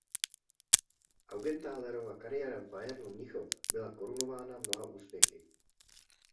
Augenthalerova kariéra v Bayernu Mnichov byla korunována mnoha úspěchy.